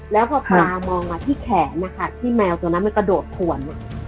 แล้วพอปลามองมาที่แขนนะคะที่แมวตัวนั้นมันกระโดดขวน